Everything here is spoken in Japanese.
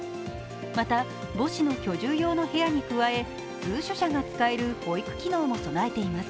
また母子の居住用の部屋に加え通所者が使える保育機能も備えています。